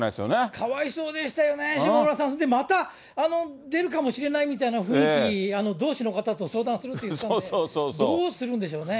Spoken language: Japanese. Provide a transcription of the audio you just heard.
かわいそうでしたよね、下村さん、で、また、出るかもしれないみたいな雰囲気、同志の方と相談するって言ってたんで、どうするんでしょうね。